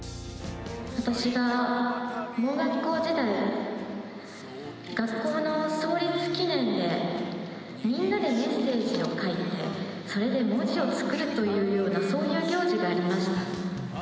私が盲学校時代、学校の創立記念でみんなでメッセージを書いて、それで文字を作るというような、そういう行事がありました。